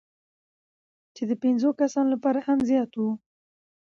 چې د پنځو کسانو لپاره هم زیات وو،